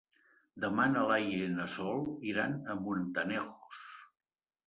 Demà na Laia i na Sol iran a Montanejos.